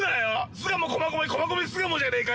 巣鴨駒込、駒込巣鴨じゃねえか